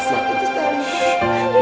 sakit itu tadi